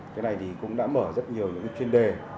cái này thì cũng đã mở rất nhiều những chuyên đề